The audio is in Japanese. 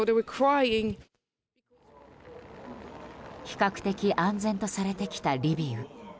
比較的安全とされてきたリビウ。